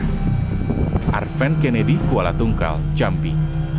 dari fen kennedy kuala tunggal jambi